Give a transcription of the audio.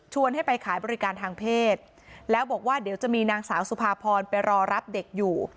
ให้ไปขายบริการทางเพศแล้วบอกว่าเดี๋ยวจะมีนางสาวสุภาพรไปรอรับเด็กอยู่